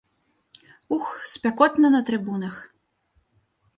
Ух, спякотна на трыбунах!